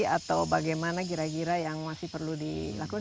atau bagaimana gira gira yang masih perlu dilakukan